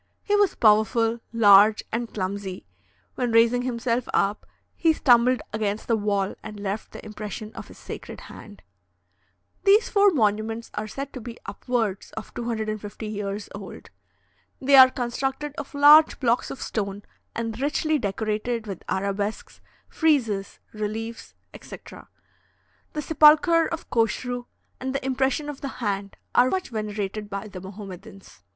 He was powerful, large, and clumsy; when raising himself up, he stumbled against the wall and left the impression of his sacred hand. These four monuments are said to be upwards of 250 years old. They are constructed of large blocks of stone, and richly decorated with arabesques, friezes, reliefs, etc. The sepulchre of Koshru and the impression of the hand are much venerated by the Mahomedans.